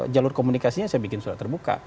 jalur komunikasinya saya bikin surat terbuka